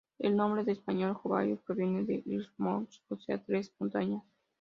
El nombre en español "mojave" proviene de "d'hamok-habi" o sea 'tres montañas'.